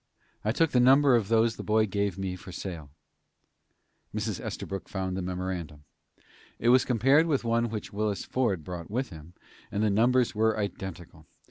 I took the number of those the boy gave me for sale." Mrs. Estabrook found the memorandum. It was compared with one which Willis Ford brought with him, and the numbers were identical.